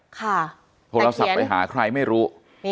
ค่ะแต่เขียนโทรศัพท์ไปหาใครไม่รู้